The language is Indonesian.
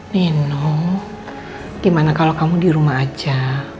mino gimana kalau kamu dirumah aja